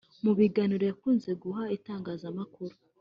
Mu biganiro yakunze guha itangazamakuru